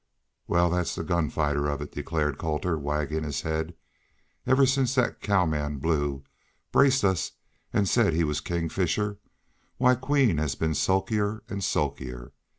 "Wal, that's the gun fighter of it," declared Colter, wagging his head, "Ever since that cowman, Blue, braced us an' said he was King Fisher, why Queen has been sulkier an' sulkier.